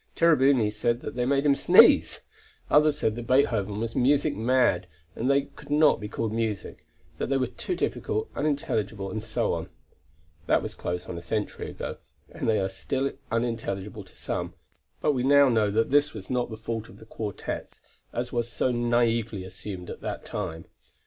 Cherubini said that they made him sneeze. Others said that Beethoven was music mad, that they could not be called music, that they were too difficult, unintelligible, and so on. That was close onto a century ago, and they are still unintelligible to some, but we now know that this is not the fault of the quartets as was so naively assumed at that time.